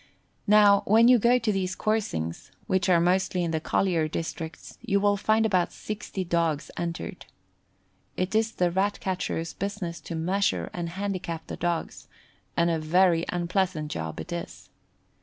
Now, when you go to these coursings (which are mostly in the colliery districts) you will find about 60 dogs entered. It is the Rat catcher's business to measure and handicap the dogs, and a very unpleasant job it is.